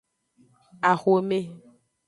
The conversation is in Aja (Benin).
Axome.